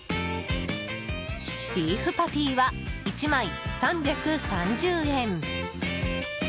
ビーフパティは１枚、３３０円。